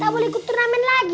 gak boleh ikut turnamen lagi